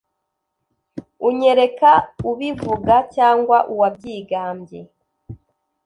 unyereka ubivuga cyangwa uwabyigambye,